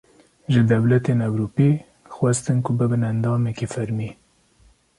Ji dewletên Ewropî, xwestin ku bibin endamekî fermî